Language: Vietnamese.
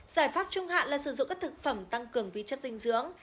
giải pháp trung hạn là sử dụng các thực phẩm tăng cường vi chất dinh dưỡng